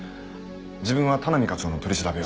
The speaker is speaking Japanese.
自分は田波課長の取り調べを。